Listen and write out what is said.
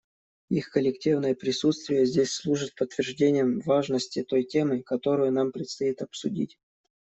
Их коллективное присутствие здесь служит подтверждением важности той темы, которую нам предстоит обсудить.